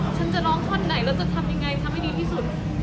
ฉันจะร้องท่อนไหนแล้วจะทำยังไงทำให้ดีที่สุด